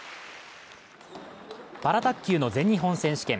パラ卓球の全日本選手権。